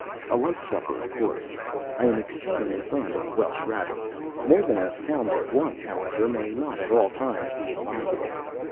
A light supper of course. I am exceedingly fond of Welsh rabbit. More than a pound at once, however, may not at all times be advisable.